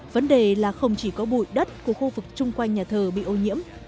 vấn đề là không chỉ có bụi đất của khu vực chung quanh nhà thờ bị ô nhiễm